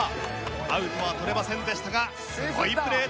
アウトは取れませんでしたがすごいプレーでした。